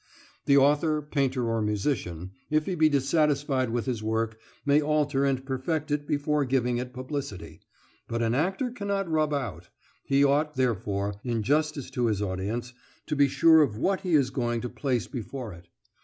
The author, painter, or musician, if he be dissatisfied with his work, may alter and perfect it before giving it publicity, but an actor cannot rub out; he ought, therefore, in justice to his audience, to be sure of what he is going to place before it.